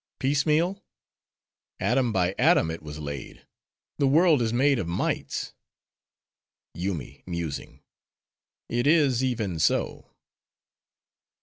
Piecemeal?—atom by atom it was laid. The world is made of mites." YOOMY (musing.)—It is even so.